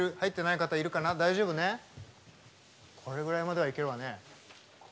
これぐらいでいけるね。